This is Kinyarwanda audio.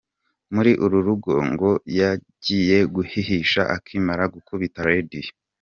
Muri uru rugo ngo yagiye kuhihisha akimara gukubita Radio.